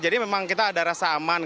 memang kita ada rasa aman